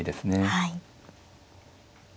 はい。